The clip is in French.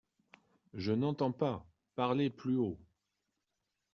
Je n’entends pas !… parlez plus haut !…